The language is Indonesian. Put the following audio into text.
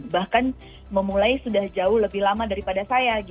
bahkan memulai sudah jauh lebih lama daripada saya